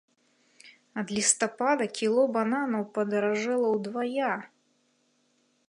Ад лістапада кіло бананаў падаражэла ўдвая!